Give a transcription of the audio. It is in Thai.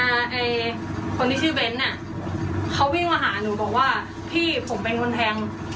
เอาเอ่ยคนที่ชื่อเว้นต์เนี้ยเขาวิ่งมาหาหนูบอกว่าพี่ผมเป็นงนแทง